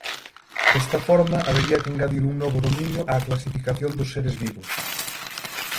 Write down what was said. Desta forma habería que engadir un novo dominio á clasificación dos seres vivos.